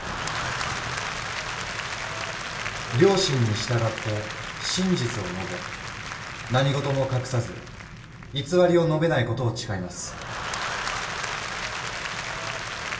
「良心に従って真実を述べ何事も隠さず偽りを述べないことを誓います」